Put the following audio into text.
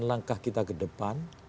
langkah kita ke depan